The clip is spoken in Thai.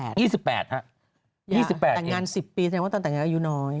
ต่างงาน๑๐ปีแสดงว่าต่างงานอายุน้อย